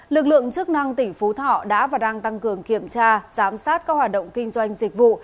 lực lượng chức năng tỉnh phú thọ đã và đang tăng cường kiểm tra giám sát các hoạt động kinh doanh dịch vụ